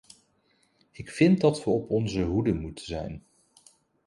Ik vind dat we op onze hoede moeten zijn.